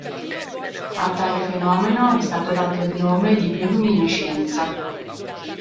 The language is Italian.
A tale fenomeno è stato dato di nome di bioluminescenza.